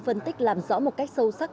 phân tích làm rõ một cách sâu sắc